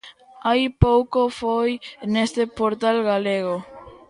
Hai pouco foi neste portal galego.